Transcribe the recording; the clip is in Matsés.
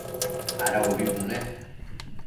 Ada ubi bune?